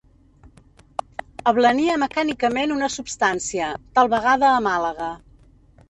Ablania mecànicament una substància, tal vegada a Màlaga.